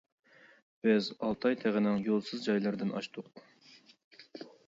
بىز ئالتاي تېغىنىڭ يولىسىز جايلىرىدىن ئاشتۇق.